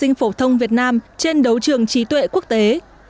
hãy đăng ký kênh để nhận thông tin việt nam trên đấu trường trí tuệ quốc tế